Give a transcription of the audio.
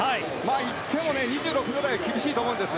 行っても２６秒台は厳しいと思います。